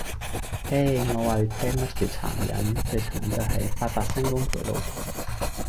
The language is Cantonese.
嘿!我話你聽咩叫殘忍，最殘忍就喺“發達，升官，陪老婆”!